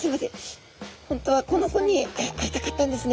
本当はこの子に会いたかったんですね